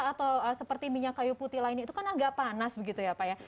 atau seperti minyak kayu putih lainnya itu kan agak panas begitu ya pak ya